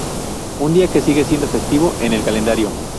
Un día que sigue siendo festivo en el calendario.